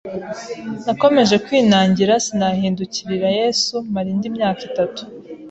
Nakomeje kwinangira, sinahindukirira Yesu mara indi myaka itatu.